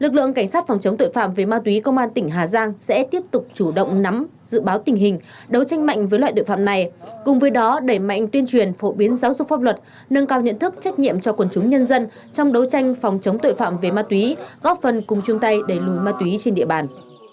lực lượng cảnh sát phòng chống tội phạm về ma túy công an tỉnh hà giang sẽ tiếp tục chủ động nắm dự báo tình hình đấu tranh mạnh với loại tội phạm này cùng với đó đẩy mạnh tuyên truyền phổ biến giáo dục pháp luật nâng cao nhận thức trách nhiệm cho quần chúng nhân dân trong đấu tranh phòng chống tội phạm về ma túy góp phần cùng chung tay đẩy lùi ma túy trên địa bàn